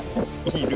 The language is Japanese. いる。